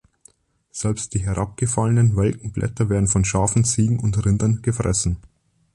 Selbst die herabgefallenen, welken Blätter werden von Schafen, Ziegen und Rindern gefressen.